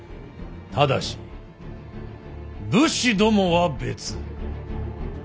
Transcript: ただし武士どもは別。